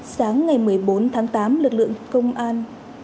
sáng ngày một mươi bốn tháng tám lực lượng công an